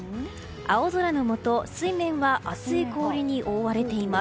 青空のもと、水面は厚い氷に覆われています。